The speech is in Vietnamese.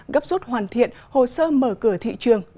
gấp rút hoàn thiện hồ sơ mở cửa thị trường